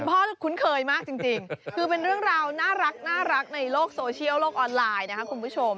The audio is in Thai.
พ่อคุ้นเคยมากจริงคือเป็นเรื่องราวน่ารักในโลกโซเชียลโลกออนไลน์นะครับคุณผู้ชม